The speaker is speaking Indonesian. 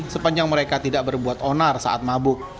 sepanjang mereka tidak berbuat onar saat mabuk